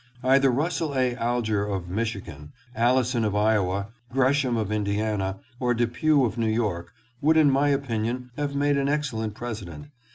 Either Russell A. Alger of Michigan, Allison of Iowa, Gresham of Indi ana, or Depew of New York, would in my opinion have made an excellent President.